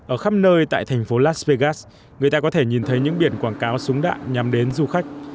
ở khắp nơi tại thành phố las vegas người ta có thể nhìn thấy những biển quảng cáo súng đạn nhằm đến du khách